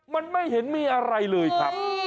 มันไม่เห็นมีอะไรเลยครับ